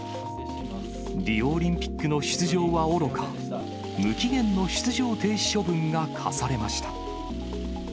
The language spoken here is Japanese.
リオオリンピックの出場はおろか、無期限の出場停止処分が科されました。